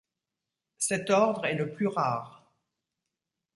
Cet ordre est le plus rare.